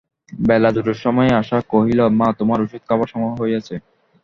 বেলা দুটার সময় আশা কহিল, মা, তোমার ওষুধ খাইবার সময় হইয়াছে।